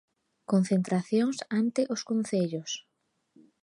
Concentracións ante os concellos.